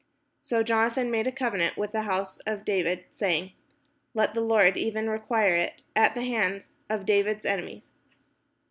So Jonathan made a covenant with the house of David, saying, ''Let the Lord even require it at the hand of David's enemies."